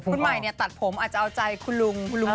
คุณหมายเนี่ยตัดผมอาจจะเอาใจคุณลุง